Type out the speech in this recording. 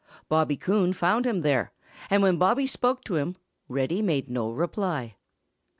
Bobby Coon found him there, and when Bobby spoke to him, Reddy made no reply.